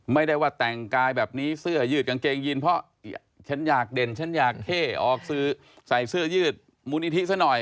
ไม่ได้ว่าแต่งกายแบบนี้เสื้อยืดกางเกงยีนเพราะฉันอยากเด่นฉันอยากเฮ่ออกซื้อใส่เสื้อยืดมูลนิธิซะหน่อย